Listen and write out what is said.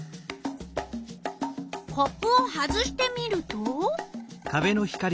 コップを外してみると。